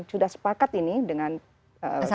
sudah sepakat ini dengan kepolisian